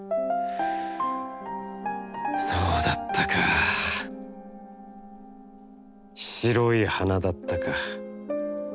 そうだったか――白い花だったか！